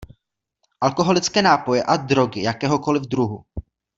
Alkoholické nápoje a drogy jakéhokoli druhu.